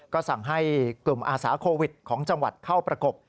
ก็สั่งให้กลุ่มอาสาโควิดของจังหวัดเข้าประกบ